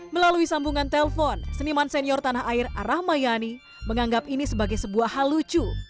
melalui sambungan telpon seniman senior tanah air arah mayani menganggap ini sebagai sebuah hal lucu